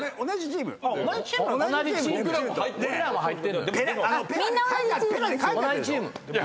同じチーム。